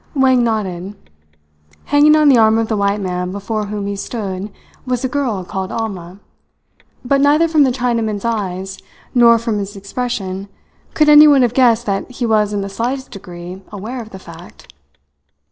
Wang nodded. Hanging on the arm of the white man before whom he stood was the girl called Alma; but neither from the Chinaman's eyes nor from his expression could anyone have guessed that he was in the slightest degree aware of the fact.